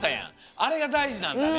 あれがだいじなんだね。